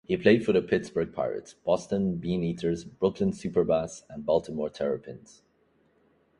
He played for the Pittsburgh Pirates, Boston Beaneaters, Brooklyn Superbas and Baltimore Terrapins.